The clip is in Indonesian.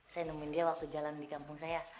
saya nemuin dia waktu jalan di kampung saya